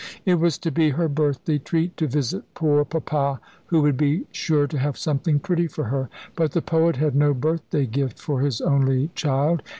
It was to be her birthday treat to visit "poor Papa, who would be sure to have something pretty for her." But the poet had no birthday gift for his only child.